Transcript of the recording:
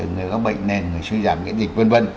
người có bệnh nền người suy giả nghĩa dịch v v